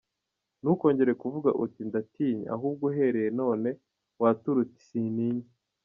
Ntukongere kuvuga uti “Ndatinya," ahubwo uhereye none wature uti “Sintinya.